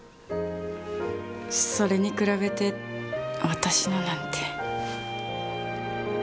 それに比べて私のなんて。